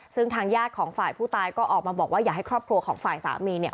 ซึ่งทางญาติของฝ่ายผู้ตายก็ออกมาบอกว่าอยากให้ครอบครัวของฝ่ายสามีเนี่ย